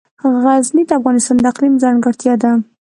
غزني د افغانستان د اقلیم ځانګړتیا ده.